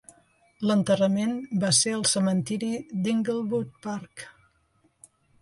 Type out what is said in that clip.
L'enterrament va ser al cementiri d'Inglewood Park.